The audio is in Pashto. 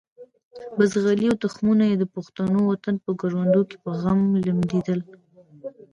بزغلي او تخمونه یې د پښتون وطن په کروندو کې په غم لمدېدل.